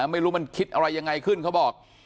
ไม่รู้มันคิดอะไรยังไงขึ้นเขาบอก